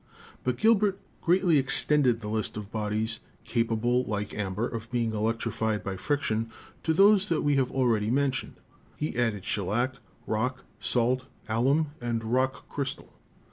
But Gilbert greatly ex tended the list of bodies capable, like amber, of being elec trified by friction; to those that we have already men tioned he added shellac, rock salt, alum and rock crystal.